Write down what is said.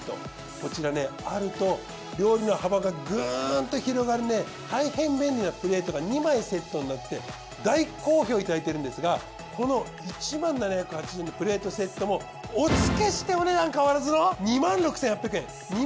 こちらあると料理の幅がグーンと広がる大変便利なプレートが２枚セットになって大好評いただいてるんですがこの１０，７８０円のプレートセットもお付けしてお値段変わらずの。